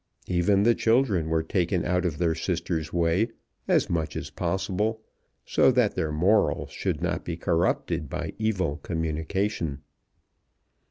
Even the children were taken out of their sister's way as much as possible, so that their morals should not be corrupted by evil communication.